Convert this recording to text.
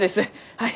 はい。